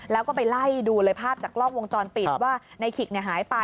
แล้วก็ไปไล่ดูเลยภาพจากกล้องวงจรปิดว่าในขิกหายไป